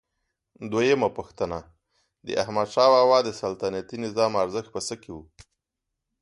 دویمه پوښتنه: د احمدشاه بابا د سلطنتي نظام ارزښت په څه کې و؟